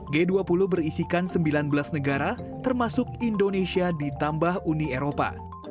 g dua puluh berisikan sembilan belas negara termasuk indonesia ditambah uni eropa